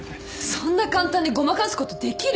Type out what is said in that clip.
そんな簡単にごまかすことできる？